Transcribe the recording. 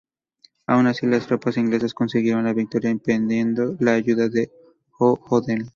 Aun así, las tropas inglesas consiguieron la victoria impidiendo la ayuda de O'Donell.